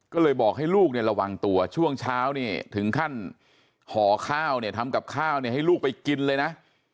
ก็เลยบอกให้ลูกเนี่ยระวังตัวช่วงเช้าเนี่ยถึงขั้นห่อข้าวเนี่ยทำกับข้าวเนี่ยให้ลูกไปกินเลยนะ